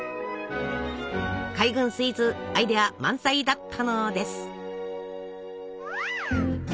海軍スイーツアイデア満載だったのです。